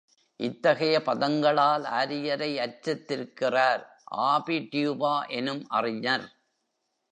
இத்தகைய பதங்களால் ஆரியரை அர்ச்சித்திருக்கிறார் ஆபி டியூபா எனும் அறிஞர்.